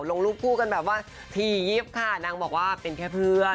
ลงรูปคู่กันแบบว่าถี่ยิบค่ะนางบอกว่าเป็นแค่เพื่อน